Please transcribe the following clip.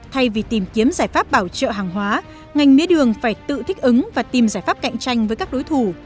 thay vì tìm kiếm giải pháp bảo trợ hàng hóa ngành mía đường phải tự thích ứng và tìm giải pháp cạnh tranh với các đối thủ